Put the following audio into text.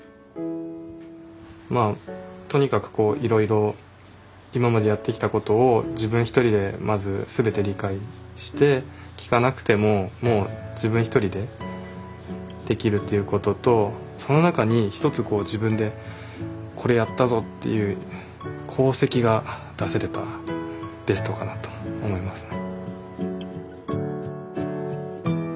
とにかくいろいろ今までやってきたことを自分一人でまず全て理解して聞かなくても自分一人でできるということとその中に一つ自分でこれやったぞっていう功績が出せれたらベストかなと思いますね。